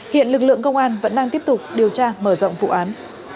hiện lực lượng công an vẫn đang tiếp tục điều tra mở rộng vụ án